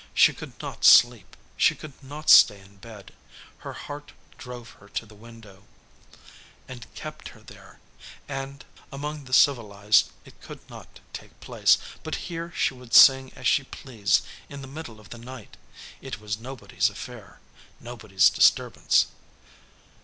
She could not sleep, she could not stay in bed. Her heart drove her to the window, and kept her there, and among the civilized it could not take place, but here she could sing as she pleased in the middle of the night; it was nobody's affair, nobody's disturbance.